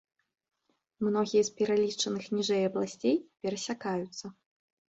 Многія з пералічаных ніжэй абласцей перасякаюцца.